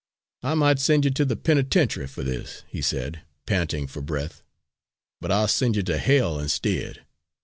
"I might send you to the penitentiary for this," he said, panting for breath, "but I'll send you to h ll instead.